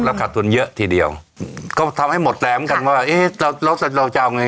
แล้วขัดทุนเยอะทีเดียวเขาทำให้หมดแหลมกันว่าเอ๊ะเราเราจะเอา